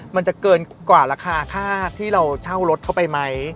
มันจะเกินกว่าราคาค่าที่เราเช่ารถเข้าไปไหม